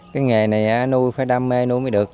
cái nghề này nuôi phải đam mê nuôi mới được